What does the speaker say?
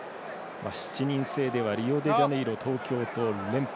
７人制ではリオデジャネイロ、東京と連覇。